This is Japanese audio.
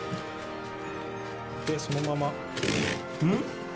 でそのまま。